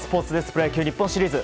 プロ野球日本シリーズ